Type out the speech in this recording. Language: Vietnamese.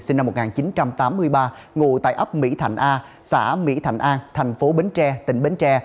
sinh năm một nghìn chín trăm tám mươi ba ngụ tại ấp mỹ thạnh a xã mỹ thạnh an thành phố bến tre tỉnh bến tre